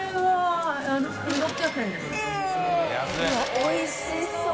おいしそう。